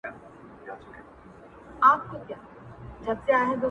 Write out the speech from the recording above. خوله یې خلاصه دواړي سترګي یې ژړاندي!!